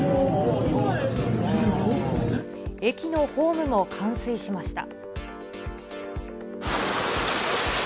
駅のホームも冠水しました。